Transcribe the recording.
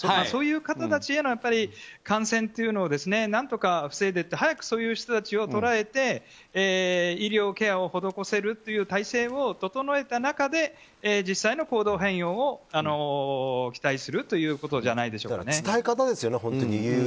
そういう方たちへの感染を何とか不正でいって早くそういう人たちを捉えて医療ケアを施せるという体制を整えた中で実際の行動変容を期待するということじゃ伝え方ですよね。